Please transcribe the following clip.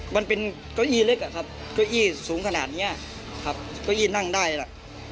เก้าอี้เล็กอะครับเก้าอี้สูงขนาดเนี้ยครับเก้าอี้นั่งได้ล่ะ